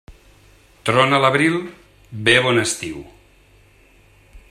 Trona l'abril: ve bon estiu.